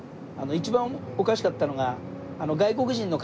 一番おかしかったのが。